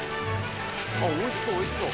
おいしそうおいしそう。